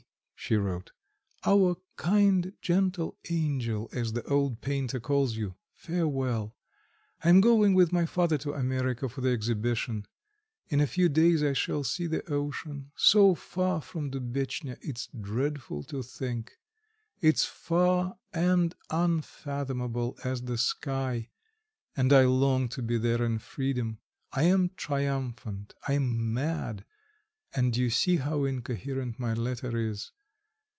(she wrote), "our kind, gentle 'angel' as the old painter calls you, farewell; I am going with my father to America for the exhibition. In a few days I shall see the ocean so far from Dubetchnya, it's dreadful to think! It's far and unfathomable as the sky, and I long to be there in freedom. I am triumphant, I am mad, and you see how incoherent my letter is.